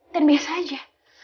kan biasa aja